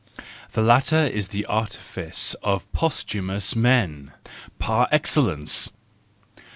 The latter is the artifice of posthumous men par excellence.